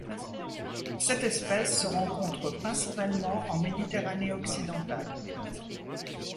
Cette espèce se rencontre principalement en Méditerranée occidentale.